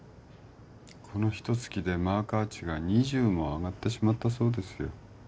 このひと月でマーカー値が２０も上がってしまったそうですよ